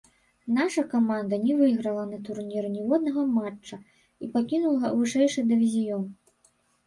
Наша каманда не выйграла на турніры ніводнага матча і пакінула вышэйшы дывізіён.